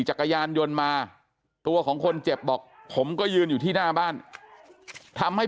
จักรยานยนต์มาตัวของคนเจ็บบอกผมก็ยืนอยู่ที่หน้าบ้านทำให้